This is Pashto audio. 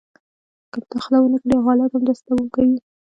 که مداخله ونه کړي او حالات همداسې دوام کوي